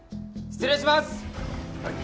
失礼します！